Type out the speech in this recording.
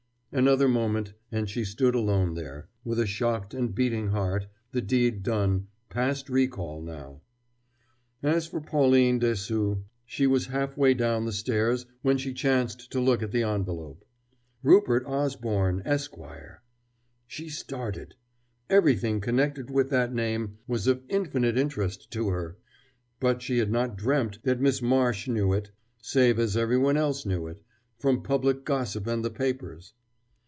Another moment and she stood alone there, with a shocked and beating heart, the deed done, past recall now. As for Pauline Dessaulx, she was half way down the stairs when she chanced to look at the envelope. "Rupert Osborne, Esq." She started! Everything connected with that name was of infinite interest to her! But she had not dreamt that Miss Marsh knew it, save as everyone else knew it now, from public gossip and the papers.